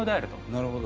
なるほど。